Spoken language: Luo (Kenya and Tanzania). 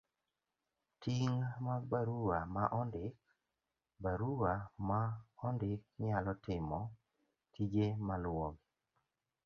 Ting ' mag barua ma ondik.barua ma ondik nyalo timo tije maluwogi.